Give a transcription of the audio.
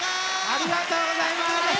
ありがとうございます！